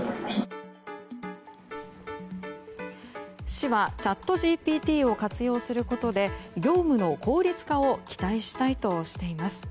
市は、チャットＧＰＴを活用することで業務の効率化を期待したいとしています。